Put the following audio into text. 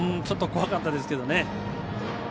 ちょっと怖かったですけど。